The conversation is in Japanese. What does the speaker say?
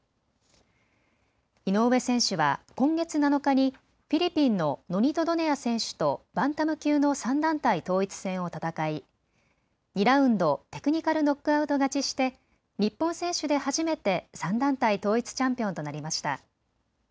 井上選手は今月７日にフィリピンのノニト・ドネア選手とバンタム級の３団体統一戦を戦い２ラウンド、テクニカルノックアウト勝ちして日本選手で初めて３団体統一チャンピオンとなりました。